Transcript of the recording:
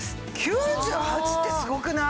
９８ってすごくない？